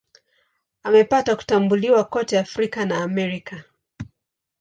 Amepata kutambuliwa kote Afrika na Amerika.